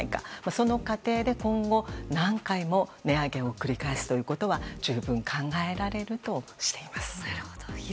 その過程で今後何回も値上げを繰り返すことは十分考えられるとしています。